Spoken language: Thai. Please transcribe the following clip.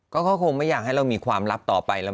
ก็เขาคงไม่อยากให้เรามีความลับต่อไป